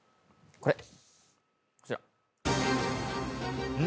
こちら。